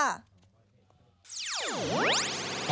พี่แจ๊กกะรีนฝากไปถามหน่อยค่ะ